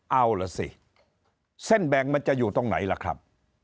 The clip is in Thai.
เอาล่ะสิเส้นแบ่งมันจะอยู่ตรงไหนล่ะครับ